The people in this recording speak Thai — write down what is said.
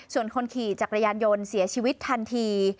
ส่วนคนขี่จักรยานยนต์เสียชีวิตทันที